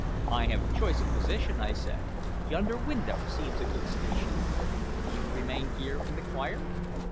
"I have choice of position," I said. "Yonder window seems a good station. You remain here in the choir?"